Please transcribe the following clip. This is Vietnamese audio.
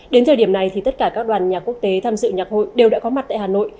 đến thời điểm này thì tất cả các đoàn nhà quốc tế tham dự nhạc hội đều đã có mặt tại hà nội